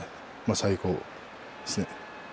最後ですね。